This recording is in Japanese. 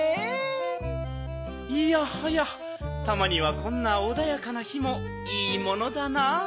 いやはやたまにはこんなおだやかな日もいいものだな。